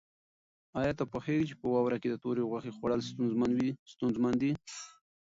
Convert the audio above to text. آیا ته پوهېږې چې په واوره کې د تورې غوښې خوړل ستونزمن دي؟